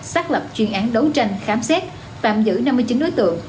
xác lập chuyên án đấu tranh khám xét tạm giữ năm mươi chín đối tượng